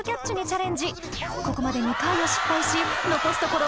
ここまで２回を失敗し残すところ